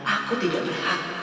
aku tidak berhak